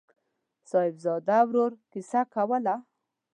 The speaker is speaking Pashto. صاحبزاده ورور کیسه کوله.